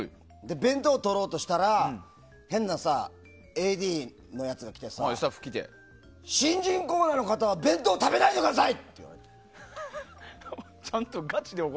弁当を取ろうとしたら変なＡＤのやつが来てさ新人コーナーの方は弁当を食べないでください！